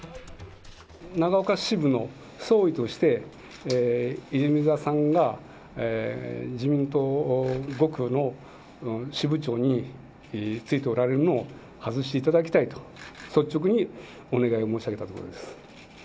長岡支部の総意として、泉田さんが自民党５区の支部長に就いておられるのを、外していただきたいと、率直にお願いを申し上げたところです。